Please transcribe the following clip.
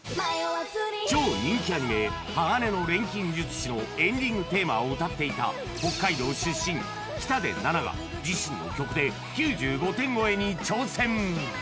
超人気アニメ「鋼の錬金術師」のエンディングテーマを歌っていた北海道出身北出菜奈が自身の曲で９５点超えに挑戦